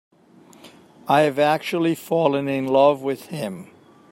I've actually fallen in love with him.